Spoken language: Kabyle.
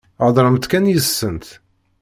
Heḍṛemt kan yid-sent.